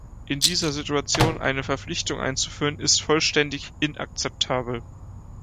In dieser Situation eine Verpflichtung einzuführen, ist vollständig inakzeptabel.